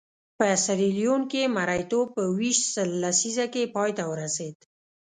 په سیریلیون کې مریتوب په ویشت شل لسیزه کې پای ته ورسېد.